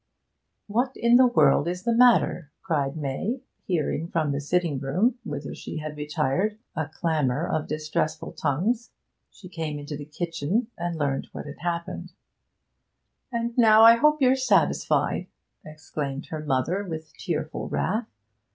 'What in the world is the matter?' cried May, hearing from the sitting room, whither she had retired, a clamour of distressful tongues. She came into the kitchen, and learnt what had happened. 'And now I hope you're satisfied!' exclaimed her mother, with tearful wrath.